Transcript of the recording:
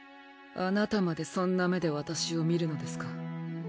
あなたまでそんな目で私を見るのですか？